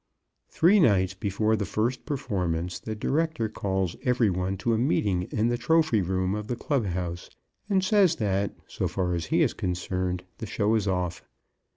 Three nights before the first performance the Director calls every one to a meeting in the trophy room of the Club house and says that, so far as he is concerned, the show is off.